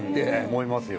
思いますよ。